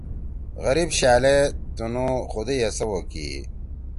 غریب شأل ئے تنُو خدئی ئے سوو کی۔